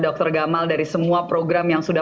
dr gamal dari semua program yang sudah